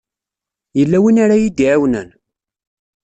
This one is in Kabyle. Yella win ara yi-d-iɛawnen?